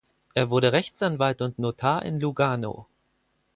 Er wurde Rechtsanwalt und Notar in Lugano.